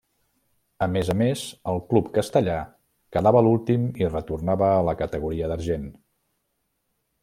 A més a més, el club castellà quedava l'últim i retornava a la categoria d'argent.